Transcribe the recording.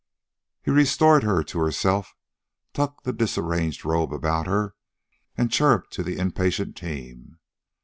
He restored her to herself, tucked the disarranged robe about her, and chirruped to the impatient team.